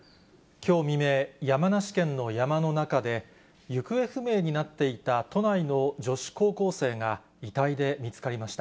きょう未明、山梨県の山の中で、行方不明になっていた都内の女子高校生が遺体で見つかりました。